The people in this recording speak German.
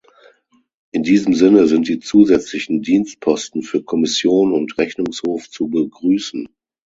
In diesem Sinne sind die zusätzlichen Dienstposten für Kommission und Rechnungshof zu begrüßen.